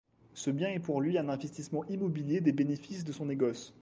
Ce bien est pour lui un investissement immobilier des bénéfices de son négoce.